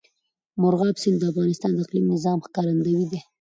مورغاب سیند د افغانستان د اقلیمي نظام ښکارندوی ده.